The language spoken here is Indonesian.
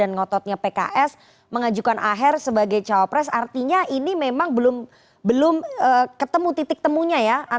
dan ngototnya pks mengajukan aher sebagai calon presiden artinya ini memang belum ketemu titik temunya ya